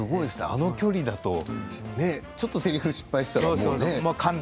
あの距離だとちょっとせりふ失敗したら。